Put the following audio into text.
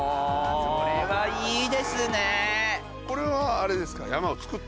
これはいいですね。